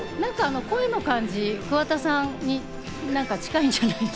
声の感じ、桑田さんに近いんじゃないですか？